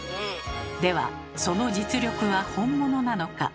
ではその実力は本物なのか？